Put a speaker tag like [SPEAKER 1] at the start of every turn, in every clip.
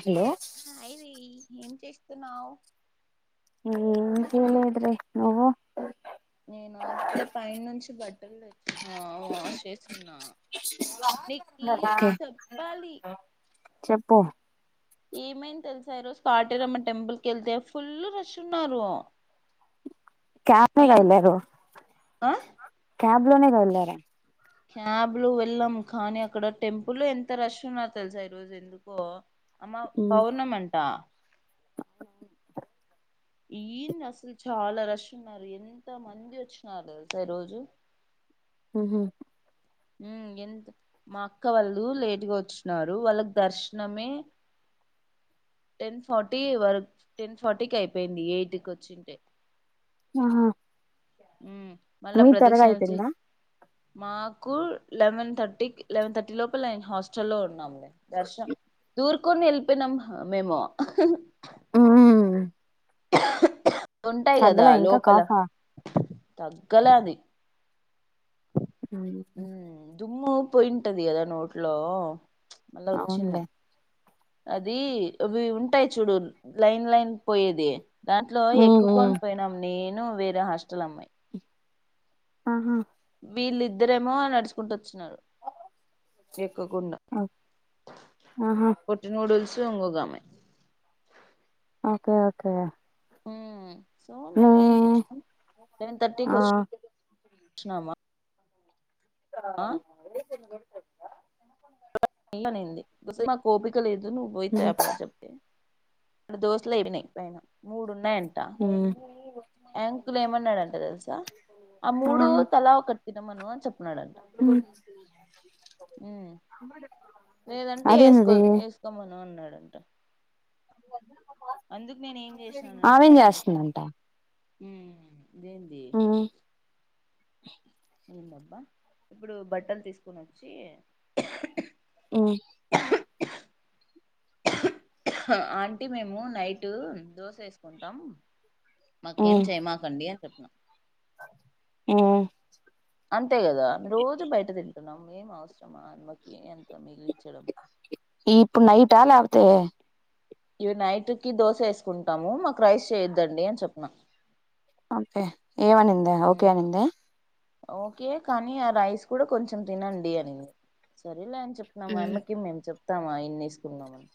[SPEAKER 1] Hello
[SPEAKER 2] హ అయిరి ఏం చేస్తున్నావ్
[SPEAKER 1] ఏం చేయలేదు రా నువ్వు
[SPEAKER 2] నేనా ఇప్పుడే పైనుంచి బట్ [inaudible] ఆ వాష్ చేసిన నీకి
[SPEAKER 1] ఓకే
[SPEAKER 2] ఒకటి చెప్పాలి
[SPEAKER 1] చెప్పు
[SPEAKER 2] ఏమైంది తెలుసా ఈరోజు కాటేరమ్మ టెంపుల్ కి వెళ్తే ఫుల్ రష్ ఉన్నారు
[SPEAKER 1] క్యాబ్ ఎ గ
[SPEAKER 2] ఎన్
[SPEAKER 1] ఎల్లారు
[SPEAKER 2] ఆ
[SPEAKER 1] క్యాబ్ లోనే గ వెళ్లారా
[SPEAKER 2] క్యాబ్ లో వెళ్ళాం కానీ అక్కడ టెంపుల్ లో ఎంత రష్ ఉన్నారు తెలుసా ఈరోజు ఎందుకో. అమ్మ పౌర్ణమంట
[SPEAKER 1] అవును
[SPEAKER 2] ఏంది అసలు చాలా రష్ ఉన్నారు ఎంత మంది వచ్చినారు తెలుసా ఈరోజు.
[SPEAKER 1] ఉహు
[SPEAKER 2] ఎంత మా అక్క వాళ్ళు లేట్ గా వచ్చినారు వాళ్ళకు దర్శనమే టెన్ ఫార్టీ వరక్ టెన్ ఫార్టీకి అయిపోయింది ఎయిట్ కి వచ్చింటే
[SPEAKER 1] అ హా
[SPEAKER 2] ఉమ్, మళ్ళా
[SPEAKER 1] మీది త్వరగా
[SPEAKER 2] ప్రదక్షిణలు చే
[SPEAKER 1] అయిపోందా.
[SPEAKER 2] మాకు లెవెన్ థర్టీ కి లెవెన్ థర్టీ లోపల హాస్టల్ లో ఉన్నాము దర్శనం దూర్ కొన్ని వెళ్లిపోయినాం మేము
[SPEAKER 1] ఉ ఊఉ
[SPEAKER 2] ఉంటాయి కదా లోపల.
[SPEAKER 1] కాఫా
[SPEAKER 2] తగ్గలే అది ఉమ్,
[SPEAKER 1] అ
[SPEAKER 2] దుమ్ము పోయింటది కదా నోట్లో. మల్ల వచ్చింది
[SPEAKER 1] అవునులే
[SPEAKER 2] అది అవి ఉంటాయ్, చూడు లైన్ లైన్ పోయేది‌ దాంట్లో ఎక్కుకొనిపొయినాం నే ను వేర హస్టల్ అమె
[SPEAKER 1] ఆహా
[SPEAKER 2] వీళ్ళిద్దిరేమో నడుచుకుంటూ వొచ్చినారు. కోకుండా
[SPEAKER 1] ఆహా
[SPEAKER 2] వట్ నూడిల్స్ ఇంగొగామె
[SPEAKER 1] ఓకే ఓకే
[SPEAKER 2] ఉ సో
[SPEAKER 1] నీ
[SPEAKER 2] మేమేం చేస్నాం, సెవెన్ థర్టీకి
[SPEAKER 1] ఆ
[SPEAKER 2] వచ్ ష్నామా
[SPEAKER 1] ఆ [inaudible]
[SPEAKER 2] మల్లానింది గుస నువ్ పోయ్ తాపో చెప్తే దోశలు అవినయి పైన మూడు ఉన్నాయంట, యాంకులు ఏమన్నాడంట తెల్సా ఆ మూడు తలా ఒక తినమను చెప్
[SPEAKER 1] ఉ
[SPEAKER 2] లేదంటే ఏసుకోద్ ఏసుకోమను నడంట అందుకు నేను ఏం చేసినానంటే,
[SPEAKER 1] ఆమెం చేస్తుందంట
[SPEAKER 2] హు ఇదేంది. ఏందబ్బా ఇప్పుడు బట్టలు తీసుకొని వచ్చి ఆంటీ మేము నైట్ దోశ ఏసుకుంటం. మాకేం చేయమాకండి చె అ
[SPEAKER 1] ఆ
[SPEAKER 2] అంతే కదా రోజు బయట తి నమ్ మేం అవసరమా అన్మకి ఎంత మిగిలి
[SPEAKER 1] ఈ ఇప్పు నైటా లే తే
[SPEAKER 2] ఇవి నైట్ కి దోశ ఏసుకుంటాము. మాక్ రైస్ చేయొద్దండి, అని చెప్నా
[SPEAKER 1] అంతే ఏవనిందా ఓకే అనింద
[SPEAKER 2] ఓకే కానీ ఆ రైస్ కూడా కొంచెం తినండి. అని సర్లేన్ చెప్పిన మా
[SPEAKER 1] ఉమ్
[SPEAKER 2] యామ్మకి మేము చెప్పు. ఇత్తామా ఇన్నేసుకున్నామని.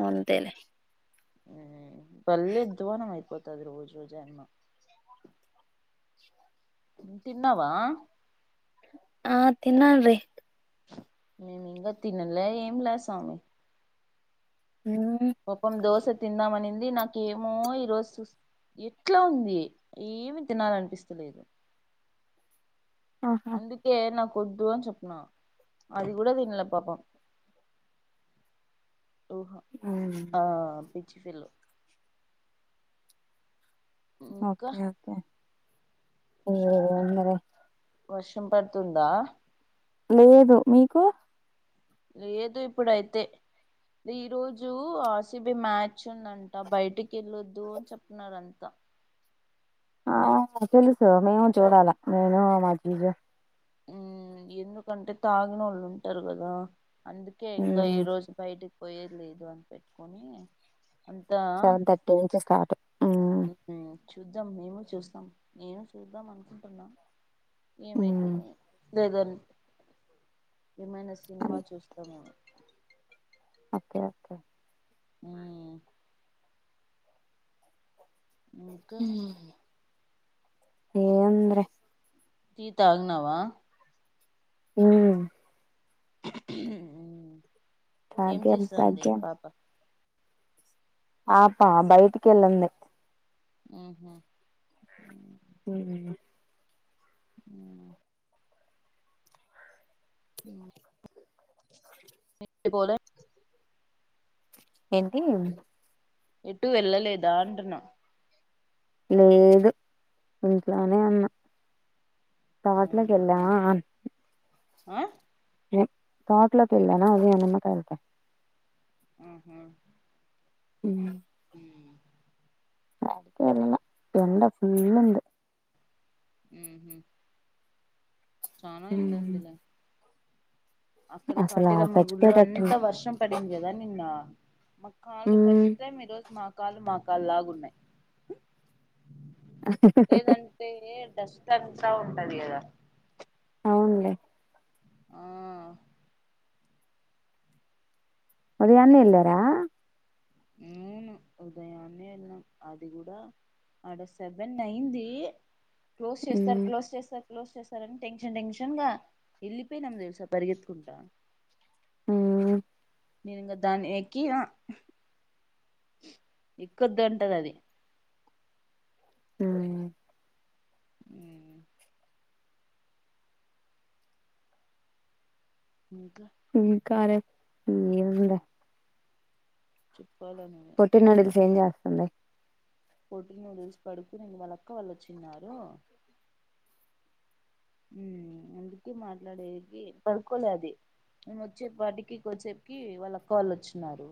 [SPEAKER 1] అంతేలే.
[SPEAKER 2] భలే అద్వానమైపోతది రోజురోజుకి తిన్నావా.
[SPEAKER 1] ఆహ్ తిన్నాంలే
[SPEAKER 2] నేనింకా తినలే ఏంలే స్వామి.
[SPEAKER 1] ఉమ్
[SPEAKER 2] ఒప్పం దోశ తిందామనింది నాకేమో ఈరోజు సుస్ ఎట్లా ఉంది ఏమి తినాలనిపిస్తలేదు.
[SPEAKER 1] ఆహా
[SPEAKER 2] అందుకే నాప్ వొద్దు అని చెప్పిన అది కూడా తినలే పాపం. ఓహో ఆహ్ చ్చఫిలో
[SPEAKER 1] ఓకే ఓకే ఓ అందరం
[SPEAKER 2] వర్షం పడుతుందా.
[SPEAKER 1] లేదు మీకు
[SPEAKER 2] లేదు ఇప్పుడైతే ఈ రోజు ఆర్ సి బి మ్యాచ్ ఉందంట బయటికి వెళ్ళొద్దు అని చెప్తున్నారంతా.
[SPEAKER 1] ఆహ్ తెలుసు మేము ఏం చూడాలే నేను మా జీజే.
[SPEAKER 2] ఉమ్, ఎందుకంటే తాగినోళ్ళు ఉంటారు కదా. అందుకే ఇంకా ఈ
[SPEAKER 1] ఉమ్
[SPEAKER 2] రోజు బయటికి పోయేది లేదు అని పెట్టుకొని.
[SPEAKER 1] సెవెన్ థర్టీ నుంచి స్టార్ట్ ఉమ్.
[SPEAKER 2] ఉమ్మ్ చూద్దాం మేము చూస్తాం నేను చూద్దాం అనుకుంటున్నా.
[SPEAKER 1] ఉమ్
[SPEAKER 2] ఏమయితదో ఏమో జగన్ ఏమైనా సినిమా చూస్తామ.
[SPEAKER 1] Okay okay.
[SPEAKER 2] ఉమ్ ఇంకా
[SPEAKER 1] ఏంద్ర
[SPEAKER 2] టీ తాగినవా.
[SPEAKER 1] ఉమ్
[SPEAKER 2] ఉమ్ ఏం
[SPEAKER 1] భాగ్యం
[SPEAKER 2] చేస్తాంది
[SPEAKER 1] భాగ్యం
[SPEAKER 2] పాప.
[SPEAKER 1] పాప బయటికి వెళ్లింది.
[SPEAKER 2] ఉహూ
[SPEAKER 1] ఉమ్
[SPEAKER 2] ఉమ్ [inaudible] బోలే [unintelligible]
[SPEAKER 1] ఏంటి
[SPEAKER 2] ఎటు వెళ్ళలేదా అంటున్నా
[SPEAKER 1] లేదు ఇంట్లోనే ఉన్నా తోట్లోకి
[SPEAKER 2] అవునా
[SPEAKER 1] వెల్దామా ఆ
[SPEAKER 2] ఆ
[SPEAKER 1] తోటలోకెల్దామా అదే నిమ్మకాయలకి
[SPEAKER 2] ఆహా
[SPEAKER 1] హు
[SPEAKER 2] [inaudible]
[SPEAKER 1] యాడికెళ్లలా ఎండ ఫుల్ంది
[SPEAKER 2] హు హు చాన
[SPEAKER 1] ఉమ్
[SPEAKER 2] ఎంతందులో [unintelligible] అక్కడ
[SPEAKER 1] అసలు
[SPEAKER 2] కాటేరమ్మ గుళ్లో అంత
[SPEAKER 1] చచ్చిపోయేటట్టుంది
[SPEAKER 2] వర్షం పడింది కదా నిన్న మోకాళ్లు
[SPEAKER 1] ఉమ్
[SPEAKER 2] ఫస్ట్ టైం ఈరోజు మా కాళ్ళు మా కాలులాగా ఉన్నాయి ఏదంటంట ఏడస్ అంతా ఉంటది కదా [unintelligible]
[SPEAKER 1] అవునులే
[SPEAKER 2] ఆ
[SPEAKER 1] ఉదయాన్నే వెళ్ళారా
[SPEAKER 2] అవును ఉదయాన్నే వెళ్లి అది కూడా ఆడ సెవెన్ అయింది క్లోజ్
[SPEAKER 1] ఉమ్
[SPEAKER 2] చేస్తారు క్లోజ్ చేస్తారు క్లోజ్ చేస్తారని టెన్షన్ టెన్షన్ గా వెళ్ళిపోయినమ్ తెలుసా పరిగెత్తుకుంటా
[SPEAKER 1] హుం
[SPEAKER 2] నేను ఇంకా దాని ఎక్కిన ఎక్కొద్ధంటది అది
[SPEAKER 1] హు
[SPEAKER 2] మీకా [inaudible]
[SPEAKER 1] ఇకారే నంద [unintelligible]
[SPEAKER 2] చె [unintelligible]
[SPEAKER 1] పొట్టి నడుగు ఎం జేత అందే [unintelligible]
[SPEAKER 2] పొటి నూడిల్స్ పడుకునిన వాళ్ళక్క వాళ్ళు వచిన్నారు అందుకే మాట్లాడేది పడుకోలే అది మేము వచ్చే పాటికి కొద్దిసేపుకి వాళ్ళక్కావాళ్ళ వచ్చిన్నారు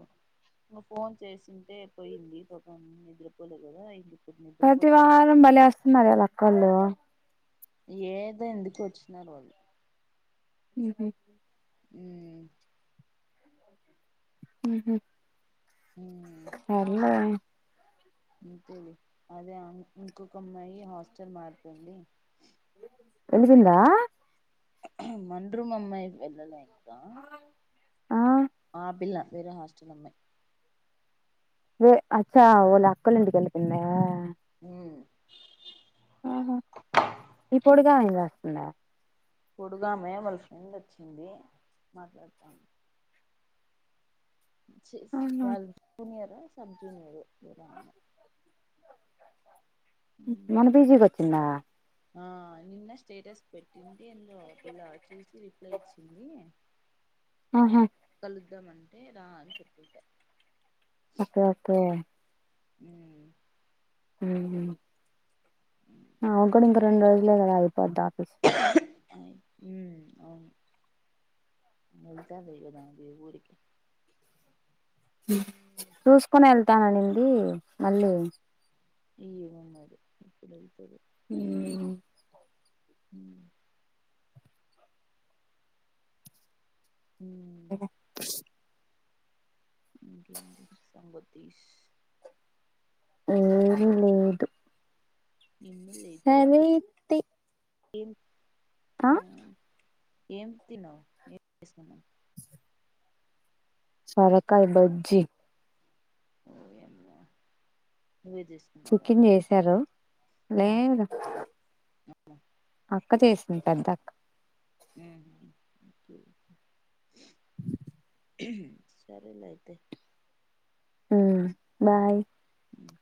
[SPEAKER 2] ఫోన్ చేసింటే పోయింది పాపం నిద్రపోలే కదా ఇందు
[SPEAKER 1] ప్రతి వారం బలే వస్తున్నారు కదా అక్కోళ్లు
[SPEAKER 2] ఏదో ఎందుకు వచ్చినరు వారు
[SPEAKER 1] ఉహు
[SPEAKER 2] ఊ
[SPEAKER 1] ఉహు
[SPEAKER 2] మ్మ్
[SPEAKER 1] ఎలా [unintelligible]
[SPEAKER 2] అంతేలే అదే ఇంకొక అమ్మాయి హాస్టల్ మార్తుంది
[SPEAKER 1] తేలిసింద
[SPEAKER 2] మనరూం అమ్మాయి పెద్దదయ్యింది.
[SPEAKER 1] ఆ
[SPEAKER 2] ఆ పిల్ల వేరే హాస్టల్ అమ్మాయి
[SPEAKER 1] వే అక్క వల అక్కొల్లయింటికి వెళ్ళిపోయింద
[SPEAKER 2] ఊ
[SPEAKER 1] ఊహు ఇప్పుడుగాని గట్ల
[SPEAKER 2] పోడుగమే వాళ్ళ ఫ్రెండ్ ఓచ్చింది మాట్లాడతంది
[SPEAKER 1] అవునా
[SPEAKER 2] వాల్ల జూనియర్ సబ్జునియర్ ఎవరో అమ్మాయి
[SPEAKER 1] మన పీజీకి వచ్చిందా
[SPEAKER 2] ఆ నిన్న స్టేటస్ పెట్టింది ఎందొ పిల్ల చూసి రిప్లై ఇచ్చింది.
[SPEAKER 1] ఆహా
[SPEAKER 2] ఇద్దం అంటే రా అని చెప్పేకే
[SPEAKER 1] ఓకే ఓకే
[SPEAKER 2] ఊ
[SPEAKER 1] ఊహు నాకు కూడా ఇంక రెండు రోజులే కదా అయిపోద్ద అస్
[SPEAKER 2] ఉమ్ అవును వేళ్తావే గద మీ ఊరికి
[SPEAKER 1] చూసుకుని వెళ్తాననింది మళ్ళీ
[SPEAKER 2] ఏమో మరి ఇప్పుడు
[SPEAKER 1] ఊ
[SPEAKER 2] హ ఉమ్
[SPEAKER 1] ఆ
[SPEAKER 2] ఇక ఏంటి సంగతులు
[SPEAKER 1] ఏం లేదు
[SPEAKER 2] ఏమి లేదు
[SPEAKER 1] సరే తి
[SPEAKER 2] ఏం
[SPEAKER 1] ఆ
[SPEAKER 2] ఏం తినవు ఏం చేస్తున్నావు
[SPEAKER 1] సోరకాయ బజ్జి
[SPEAKER 2] ఓ యమ్మ నువ్వే చేసుకున్నావా
[SPEAKER 1] చికెన్ చేసారు
[SPEAKER 2] ఉమ్
[SPEAKER 1] లేదు అక్క చేసింది పెద్దక్క
[SPEAKER 2] ఊహు ఓకే సరేలే అయితే
[SPEAKER 1] ఆ బాయ్
[SPEAKER 2] ఉమ్